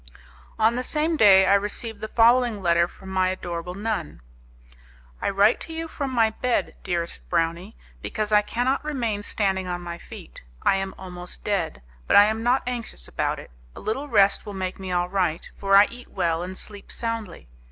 On the same day I received the following letter from my adorable nun "I write to you from my bed, dearest browny, because I cannot remain standing on my feet. I am almost dead. But I am not anxious about it; a little rest will make me all right, for I eat well and sleep soundly.